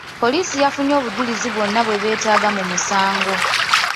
Poliisi yafunye obujulizi bwonna bwe beetaaga mu musango.